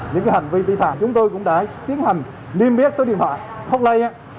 những hành vi tị phạm chúng tôi cũng đã tiến hành liên miết số điện thoại hotline